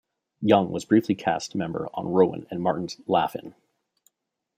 Young was briefly a cast member on Rowan and Martin's "Laugh-In".